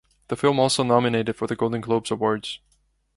The film also nominated for the Golden Globes Awards.